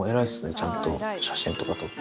ちゃんと写真とか撮って。